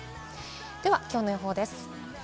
ではきょうの予報です。